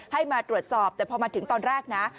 ให้มาตรวจสอบแต่พอมาถึงตอนแรกนะ